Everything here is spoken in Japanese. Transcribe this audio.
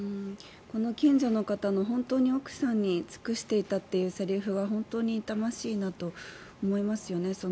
近所の方の本当に奥さんに尽くしていたというセリフが本当に痛ましいなと思いますよね。